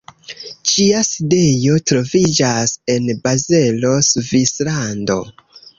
Ĝia sidejo troviĝas en Bazelo, Svislando.